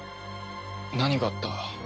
何があった？